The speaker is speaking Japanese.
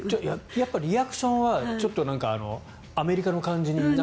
やっぱりリアクションはちょっとアメリカの感じになって。